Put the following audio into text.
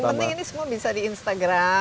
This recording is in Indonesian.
dan yang penting ini semua bisa di instagram